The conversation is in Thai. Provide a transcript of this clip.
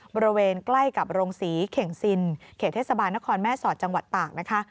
บริเวณใกล้กับโรงศรีเข่งซินเขตเทศบาลนครแม่สอดจังหวัดตากนะคะ